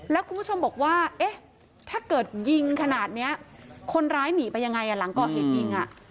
แล้วคุณผู้ชมบอกว่าเอ๊ะถ้าเกิดยิงขนาดนี้คนร้ายหนีไปยังไงหลังก่อเหตุยิง